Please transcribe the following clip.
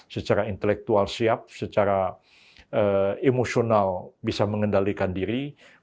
secara intelektual siap secara emosional bisa mengendalikan diri